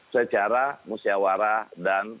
secara musyawara dan